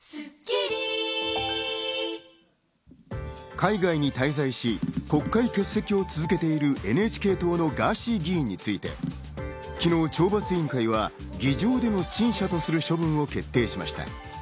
海外に滞在し、国会欠席を続けているＮＨＫ党のガーシー議員について、昨日、懲罰委員会は議場での陳謝とする処分を決定しました。